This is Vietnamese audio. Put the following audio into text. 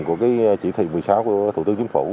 của cái chỉ thị một mươi sáu của thủ tướng chính phủ